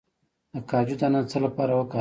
د کاجو دانه د څه لپاره وکاروم؟